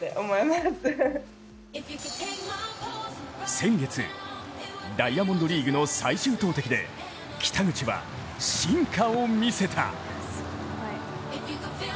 先月、ダイヤモンドリーグの最終投てきで北口は進化を見せた。